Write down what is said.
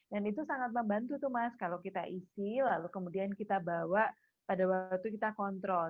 dan itu sangat membantu tuh mas kalau kita isi lalu kemudian kita bawa pada waktu kita kontrol